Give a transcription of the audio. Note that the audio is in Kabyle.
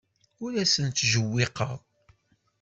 Ur asen-ttjewwiqeɣ.